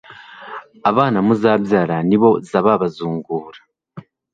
abana muzabyara nibo zababazungura